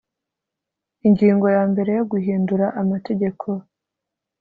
ingingo ya mbere yo guhindura amategeko